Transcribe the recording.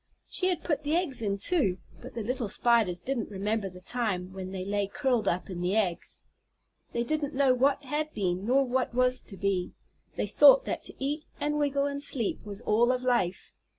She had put the eggs in, too, but the little Spiders didn't remember the time when they lay curled up in the eggs. They didn't know what had been nor what was to be they thought that to eat and wiggle and sleep was all of life.